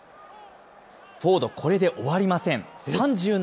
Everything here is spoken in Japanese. フォード、これで終わりません。